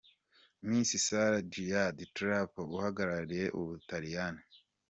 Miss Sara Giada Tropea uhagarariye u Butaliyani.